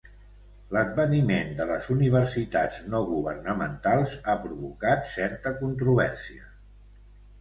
L'adveniment de les universitats no governamentals ha provocat certa controvèrsia.